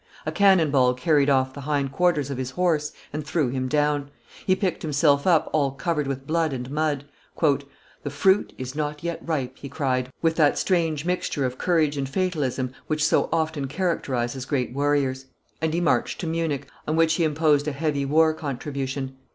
A cannon ball carried off the hind quarters of his horse and threw him down. He picked himself up, all covered with blood and mud. "The fruit is not yet ripe," he cried, with that strange mixture of courage and fatalism which so often characterizes great warriors; and he marched to Munich, on which he imposed a heavy war contribution.